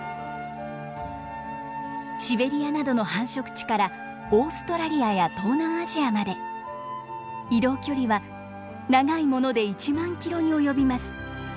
シベリアなどの繁殖地からオーストラリアや東南アジアまで移動距離は長いもので１万キロに及びます。